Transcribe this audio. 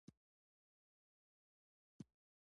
د افغانستان جغرافیه کې مزارشریف ستر اهمیت لري.